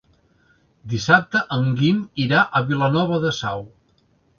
Dissabte en Guim irà a Vilanova de Sau.